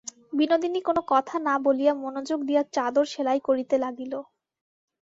বিনোদিনী কোনো কথা না বলিয়া মনোযোগ দিয়া চাদর সেলাই করিতে লাগিল।